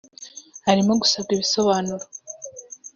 harimo gusabwa ibisobanuro